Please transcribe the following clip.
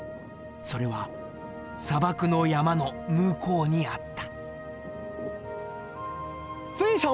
それは砂漠の山の向こうにあった！